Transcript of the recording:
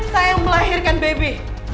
saya yang melahirkan baby